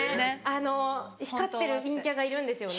あの光ってる陰キャがいるんですよね。